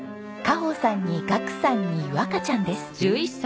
花穂さんに岳さんに和花ちゃんです。